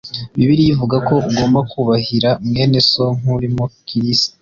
Bibiliya ivuga ko ugomba kubahira mwene so nk’urimo Kirisitu